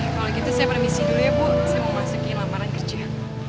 kalau gitu saya permisi dulu ya bu saya mau masukin lapangan kerja